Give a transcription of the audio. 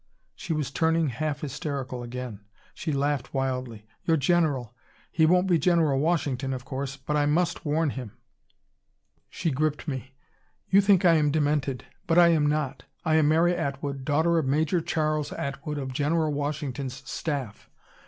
She was turning half hysterical again. She laughed wildly. "Your general he won't be General Washington, of course. But I must warn him." She gripped me. "You think I am demented. But I am not. I am Mary Atwood, daughter of Major Charles Atwood, of General Washington's staff.